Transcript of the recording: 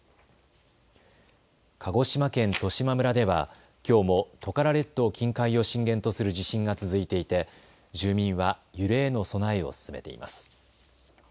鹿児島県十島村ではきょうもトカラ列島近海を震源とする地震が続いていて住民は揺れへの備えを進めています。